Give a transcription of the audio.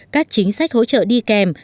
các chính sách hỗ trợ đi kèm